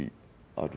「ある」